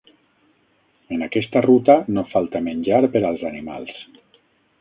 En aquesta ruta no falta menjar per als animals.